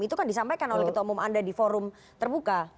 itu kan disampaikan oleh ketumum anda di forum terbuka